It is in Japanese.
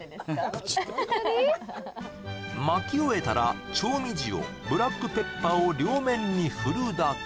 プチッと巻き終えたら調味塩ブラックペッパーを両面に振るだけ